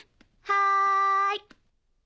はい。